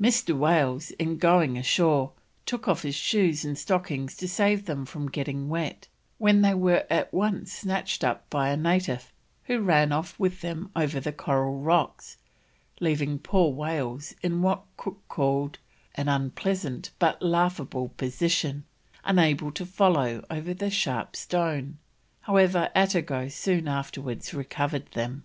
Mr. Wales, in going ashore, took off his shoes and stockings to save them from the wet, when they were at once snatched up by a native, who ran off with them over the coral rocks, leaving poor Wales in what Cook calls "an unpleasant but laughable position," unable to follow over the sharp stone; however, Attago soon afterwards recovered them.